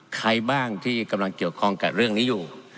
ใครบ้างที่กำลังเกี่ยวข้องกับเรื่องนี้อยู่